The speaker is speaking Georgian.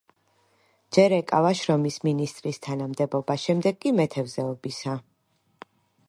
ჯერ ეკავა შრომის მინისტრის თანამდებობა, შემდეგ კი მეთევზეობისა.